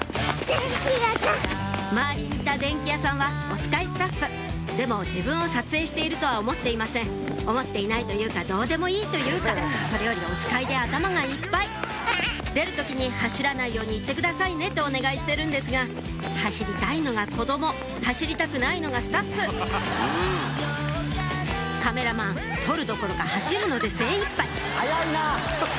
周りにいた電気屋さんはおつかいスタッフでも自分を撮影しているとは思っていません思っていないというかどうでもいいというかそれよりおつかいで頭がいっぱい出る時に「走らないように言ってくださいね」とお願いしてるんですが走りたいのが子供走りたくないのがスタッフカメラマン撮るどころか走るので精いっぱい速いな！